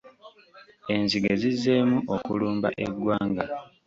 Enzige zizzeemu okulumba eggwanga.